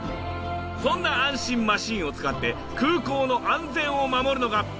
そんな安心マシンを使って空港の安全を守るのが。